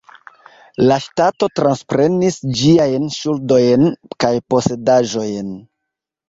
La ŝtato transprenis ĝiajn ŝuldojn kaj posedaĵojn.